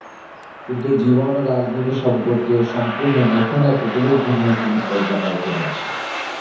কিন্তু জীবন ও রাজনীতি সম্পর্কে সম্পূর্ণ নতুন এক উপলব্ধি নিয়ে তিনি কলকাতায় ফিরে আসেন।